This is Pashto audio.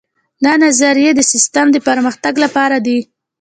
دا نظریې د سیسټم د پرمختګ لپاره دي.